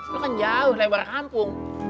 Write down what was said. lo kan jauh lebar kampung